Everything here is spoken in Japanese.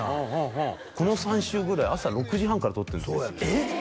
この３週ぐらい朝６時半からとってんですよえっ！